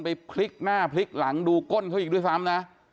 ไปพลิกหน้าพลิกหลังดูก้นเขาอีกด้วยซ้ำนะ